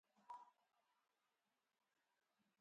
• Quloqqa ishonma, ko‘zga ishon.